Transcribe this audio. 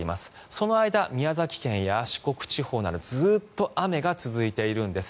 その間、宮崎県や四国地方などずっと雨が続いているんです。